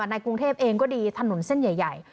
ในกรุงเทพเองก็ดีถนนเส้นใหญ่